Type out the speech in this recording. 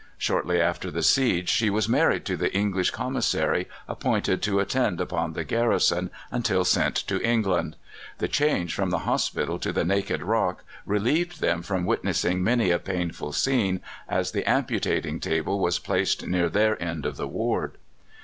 Shortly after the siege she was married to the English Commissary appointed to attend upon the garrison until sent to England. The change from the hospital to the naked rock relieved them from witnessing many a painful scene, as the amputating table was placed near their end of the ward.